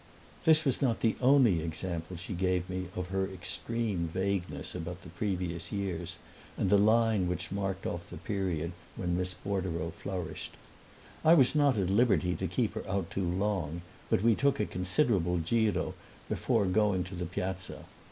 This was not the only example she gave me of her extreme vagueness about the previous years and the line which marked off the period when Miss Bordereau flourished. I was not at liberty to keep her out too long, but we took a considerable GIRO before going to the Piazza.